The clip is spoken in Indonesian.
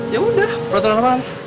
ya udah peraturan apaan